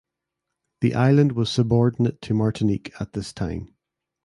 The island was subordinate to Martinique at this time.